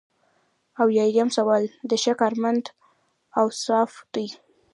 اویایم سوال د ښه کارمند اوصاف دي.